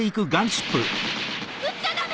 撃っちゃダメ！